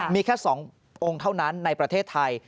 มีแค่๒องค์เท่านั้นในประเทศไทย